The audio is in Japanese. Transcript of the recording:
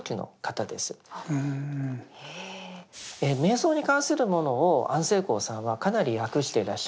瞑想に関するものを安世高さんはかなり訳してらっしゃいます。